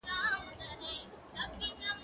ته ولي پاکوالی کوې!.